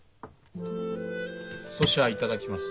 そしゃ頂きます。